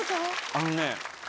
あのね。